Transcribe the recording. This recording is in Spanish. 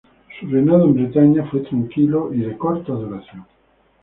Su reinado en Bretaña fue tranquilo y de corta duración.